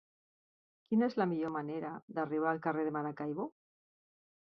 Quina és la millor manera d'arribar al carrer de Maracaibo?